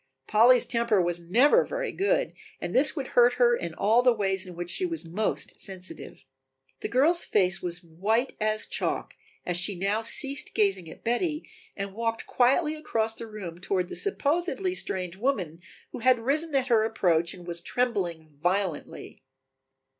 Polly's temper was never very good, and this would hurt her in all the ways in which she was most sensitive. The girl's face was white as chalk as she now ceased gazing at Betty and walked quietly across the room toward the supposedly strange woman who had risen at her approach and was trembling violently.